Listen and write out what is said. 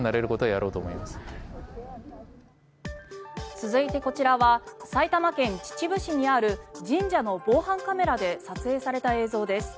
続いて、こちらは埼玉県秩父市にある神社の防犯カメラで撮影された映像です。